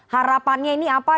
harapannya ini apa